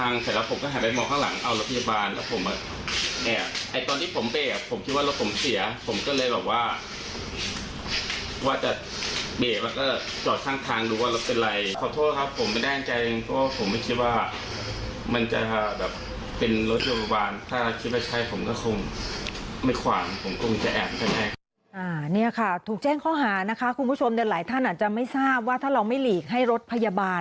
นี่ค่ะถูกแจ้งข้อหานะคะคุณผู้ชมหลายท่านอาจจะไม่ทราบว่าถ้าเราไม่หลีกให้รถพยาบาล